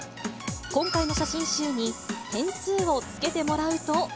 今回の写真集に、点数をつけてもらうと。